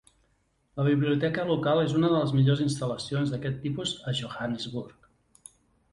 La biblioteca local és una de les millors instal·lacions d'aquest tipus a Johannesburg.